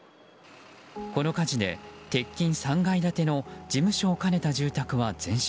この火事で、鉄筋３階建ての事務所を兼ねた住宅は全焼。